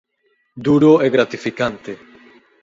Duro e gratificante.